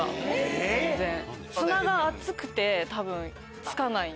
砂が熱くて多分つかない。